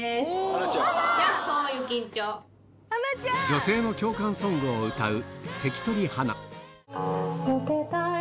女性の共感ソングを歌う